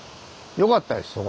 よかったですよ